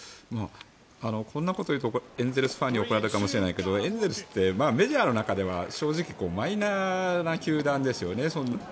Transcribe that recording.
こんなことをいうとエンゼルスファンに怒られるかもしれないですがエンゼルスってメジャーの中では正直、マイナーな球団ですよね。